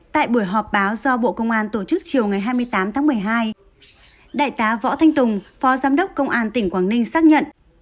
tại buổi họp báo do bộ công an tổ chức chiều ngày hai mươi tám tháng một mươi hai đại tá võ thanh tùng phó giám đốc công an tỉnh quảng ninh xác nhận